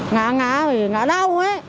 ngã ngã phải ngã đau